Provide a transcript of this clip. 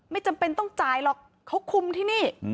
ไม่จำเป็นต้องจ่ายหรอกเขาคุมที่นี่